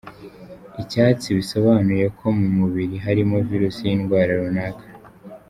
icyatsi bisobanuye ko mu mubiri harimo virusi y’indwara runaka.